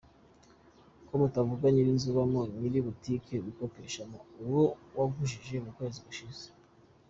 ko mutavuga nyiri inzu ubamo, nyiri butiki wikopeshamo, uwo wagujije mu kwezi gushize,.